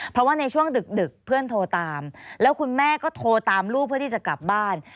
เพราะว่าในช่วงดึกเพื่อนโทรตามแล้วคุณแม่ก็โทรตามลูกเพื่อที่จะกลับบ้าน